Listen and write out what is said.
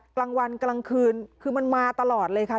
กลางวันกลางคืนคือมันมาตลอดเลยค่ะ